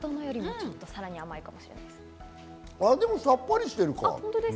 でもさっぱりしてるかな。